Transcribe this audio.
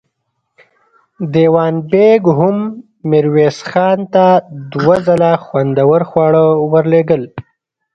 دېوان بېګ هم ميرويس خان ته دوه ځله خوندور خواړه ور لېږل.